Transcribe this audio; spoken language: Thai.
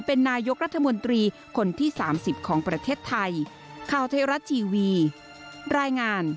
เป็นนายกรัฐมนตรีคนที่๓๐ของประเทศไทย